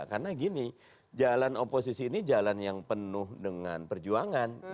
karena gini jalan oposisi ini jalan yang penuh dengan perjuangan